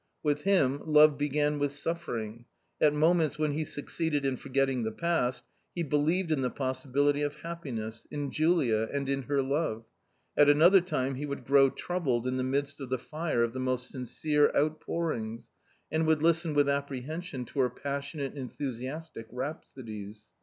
With him love began with suffering. At moments when he succeeded in forgetting the past, he believed in the possi bility of happiness, in Julia and in her love. At another time he would grow troubled in the midst of the fire of the most sincere outpourings, and would listen with apprehen sion to her passionate enthusiastic rhapsodies.